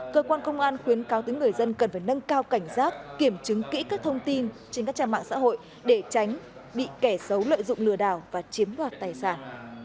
cơ quan công an khuyến cáo tính người dân cần phải nâng cao cảnh giác kiểm chứng kỹ các thông tin trên các trang mạng xã hội để tránh bị kẻ xấu lợi dụng lừa đảo và chiếm đoạt tài sản